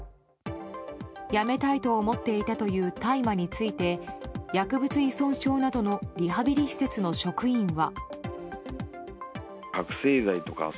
やめたいと思っていたという大麻について薬物依存症などのリハビリ施設の職員は。